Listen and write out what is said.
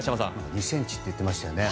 ２ｃｍって言ってましたよね。